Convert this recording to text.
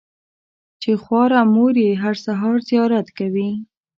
چې خواره مور یې هره سهار زیارت کوي.